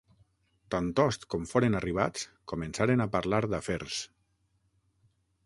Tantost com foren arribats, començaren a parlar d'afers.